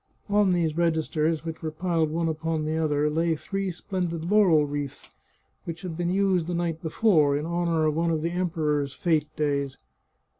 On these registers, which were piled one upon the other, lay three splendid laurel wreaths, which had been used the night before, in honour of one of the Emperor's fete days.